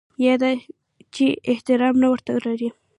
یا دا چې احترام نه ورته لري.